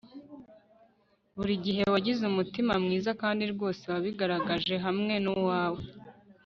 burigihe wagize umutima mwiza kandi rwose wabigaragaje hamwe nuwawe